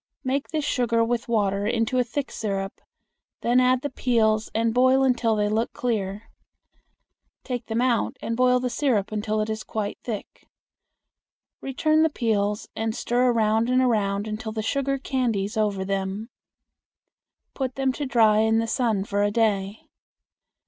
Make this sugar with water into a thick syrup; then add the peels and boil until they look clear. Take them out and boil the syrup until it is quite thick. Return the peels and stir around and around until the sugar candies over them. Put them to dry in the sun for a day.